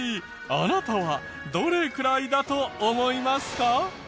あなたはどれくらいだと思いますか？